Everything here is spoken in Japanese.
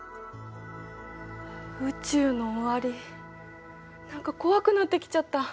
宇宙の終わり何か怖くなってきちゃった。